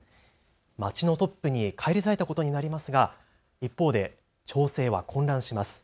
町のトップに返り咲いたことになりますが、一方で町政は混乱します。